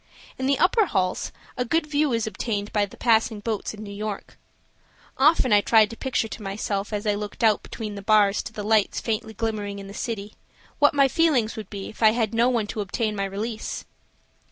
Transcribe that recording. In the upper halls a good view is obtained of the passing boats and New York. Often I tried to picture to myself as I looked out between the bars to the lights faintly glimmering in the city, what my feelings would be if I had no one to obtain my release.